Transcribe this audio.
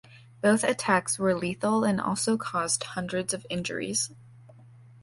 Both attacks were lethal and also caused hundreds of injuries.